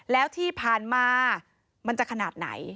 แล้วที่ผ่านมามันจะขนาดไหน